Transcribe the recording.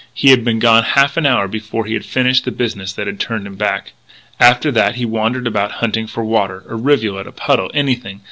They had been gone half an hour before he had finished the business that had turned him back. After that he wandered about hunting for water a rivulet, a puddle, anything.